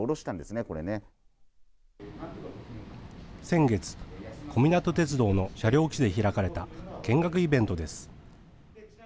先月、小湊鐵道の車両基地で開かれた見学イベントです。